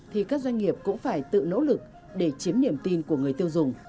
thì các doanh nghiệp cũng phải tự nỗ lực để chiếm niềm tin của người tiêu dùng